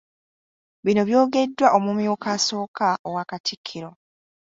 Bino byogeddwa omumyuka asooka owa Katikkiro.